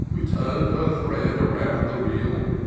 Who tum'd her thread around the reel.